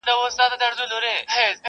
غلط دودونه نسلونه خرابوي ډېر.